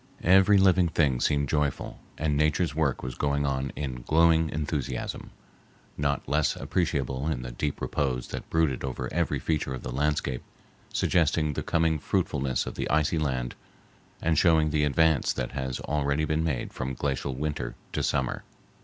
Every living thing seemed joyful, and nature's work was going on in glowing enthusiasm, not less appreciable in the deep repose that brooded over every feature of the landscape, suggesting the coming fruitfulness of the icy land and showing the advance that has already been made from glacial winter to summer.